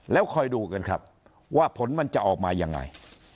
แล้วคอยดูกันครับว่าผลมันจะออกมายังไง